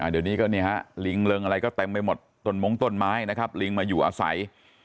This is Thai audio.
เดี๋ยวนี้ก็นี่ฮะลิงเริงอะไรก็เต็มไปหมดต้นมงต้นไม้นะครับลิงมาอยู่อาศัย